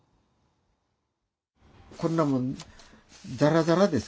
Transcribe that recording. こんなもんザラザラですからね。